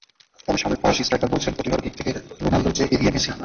তবে সাবেক ফরাসি স্ট্রাইকার বলছেন প্রতিভার দিক থেকে রোনালদোর চেয়ে এগিয়ে মেসি।